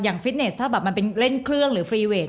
ฟิตเนสถ้าแบบมันเป็นเล่นเครื่องหรือฟรีเวท